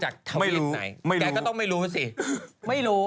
แกก็ต้องไม่รู้สิ